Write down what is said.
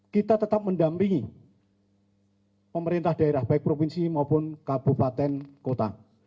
kita tetap mendampingi pemerintah daerah baik provinsi maupun kabupaten kota